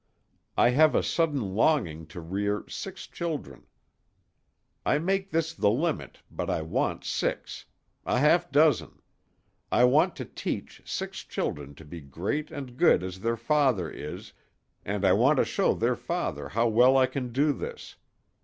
I have a sudden longing to rear six children. I make this the limit, but I want six. A half dozen. I want to teach six children to be great and good as their father is, and I want to show their father how well I can do this.